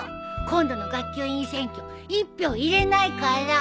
今度の学級委員選挙１票入れないから。